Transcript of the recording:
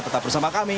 tetap bersama kami